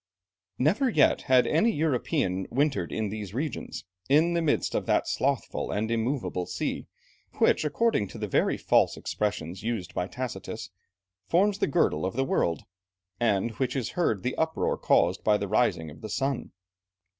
] Never yet had any European wintered in these regions, in the midst of that slothful and immovable sea, which according to the very false expressions used by Tacitus, forms the girdle of the world, and in which is heard the uproar caused by the rising of the sun.